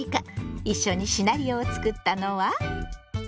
一緒にシナリオを作ったのは。